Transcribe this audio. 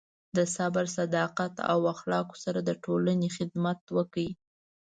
د صبر، صداقت، او اخلاقو سره د ټولنې خدمت وکړئ.